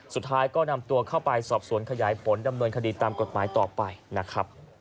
สุดท้ายก็นำตัวเข้าไปสอบสวนขยายผลดำเนินคดีตามกฎหมายต่อไปนะครับ